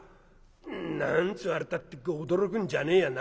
何て言われたって驚くんじゃねえや。